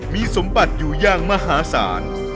มีสมบัติอยู่อย่างมหาศาล